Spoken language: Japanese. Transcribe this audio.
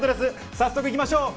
早速いきましょう。